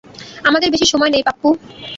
আমাদের বেশি সময় নেই পাপ্পু।